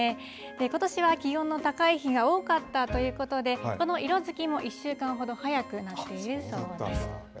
ことしは気温の高い日が多かったということでこの色づきも１週間ほど早いそうです。